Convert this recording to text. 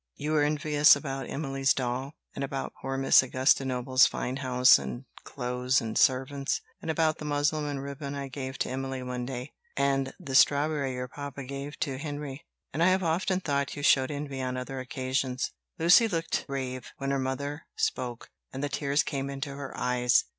You were envious about Emily's doll, and about poor Miss Augusta Noble's fine house and clothes and servants, and about the muslin and ribbon I gave to Emily one day, and the strawberry your papa gave to Henry; and I have often thought you showed envy on other occasions." Lucy looked grave when her mother spoke, and the tears came into her eyes.